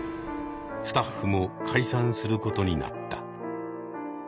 スタッフも解散することになった。